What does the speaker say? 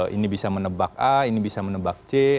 ini bisa menebak a ini bisa menebak c